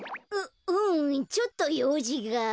ううんちょっとようじが。